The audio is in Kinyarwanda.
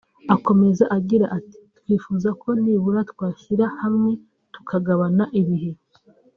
Akomeza agira ati "Twifuza ko nibura twashyira hamwe tukagabana ibihe